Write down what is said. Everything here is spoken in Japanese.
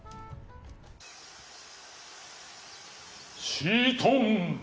シートン！